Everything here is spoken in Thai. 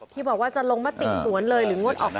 พี่บอกว่าจะลงมาติดสวนเลยหรืองดออกเสียงเลย